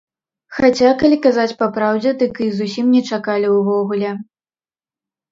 Хаця, калі казаць папраўдзе, дык і зусім не чакалі ўвогуле.